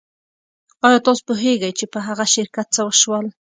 ایا تاسو پوهیږئ چې په هغه شرکت څه شول